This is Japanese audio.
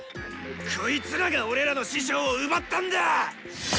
こいつらが俺らの師匠を奪ったんだ！